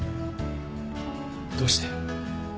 どうして？